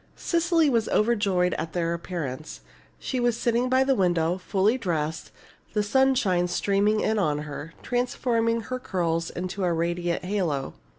Cecily was overjoyed at their appearance. She was sitting by the window, fully dressed, the sunshine streaming in on her, transforming her curls into a radiant halo.